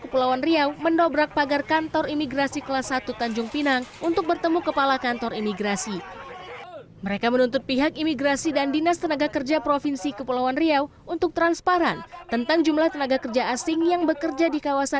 pemkot makassar berencana meninjau dan menguji langsung kelayakan usaha padiwisata